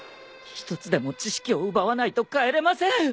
一つでも知識を奪わないと帰れません！